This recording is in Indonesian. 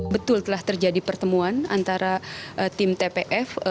betul telah terjadi pertemuan antara tim tpf